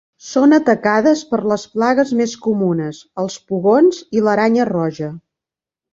Són atacades per les plagues més comunes, els pugons i l'aranya roja.